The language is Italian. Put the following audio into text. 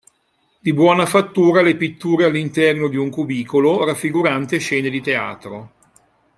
Di buona fattura le pitture all'interno di un cubicolo, raffigurante scene di teatro.